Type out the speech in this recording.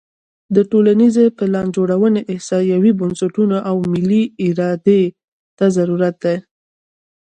د ټولنیزې پلانجوړونې احصایوي بنسټونو او ملي ارادې ته ضرورت دی.